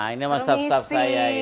ini emang staf staf saya ini